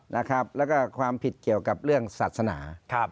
แล้วก็ความผิดเกี่ยวกับเรื่องศาสนา